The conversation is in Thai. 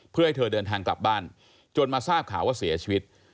เพื่อให้เธอเดินทางกลับบ้านจนมาทราบข่าวว่าเสียชีวิต